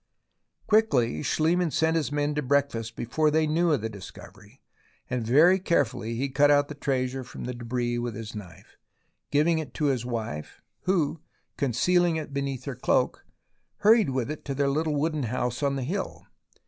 Quickly Schliemann sent his men to breakfast before they knew of the discovery, and very carefully he cut out the treasure from the debris with his knife, giving it to his wife, who, concealing it beneath her cloak, hurried with it to their little wooden house on the hill.